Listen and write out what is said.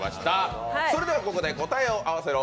それではここで答えを合わせろ！